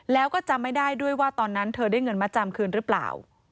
แล้วก็จำไม่ได้ด้วยว่าตอนนั้นเธอได้เงินมาจำคืนหรือเปล่า